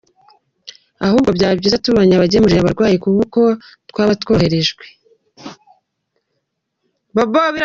Ahubwo byaba byiza tubonye abagemurira abarwayi, kuko twaba tworoherejwe.